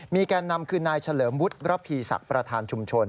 แกนนำคือนายเฉลิมวุฒิระพีศักดิ์ประธานชุมชน